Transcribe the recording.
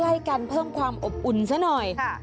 ใกล้กันเพิ่มความอบอุ่นซะหน่อย